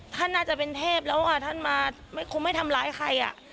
ท่านน่าจะเป็นเทพแล้วท่านมาคงไม่ทำร้ายใครอ่ะ